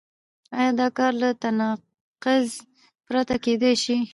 آیا دا کار له تناقض پرته کېدای شي؟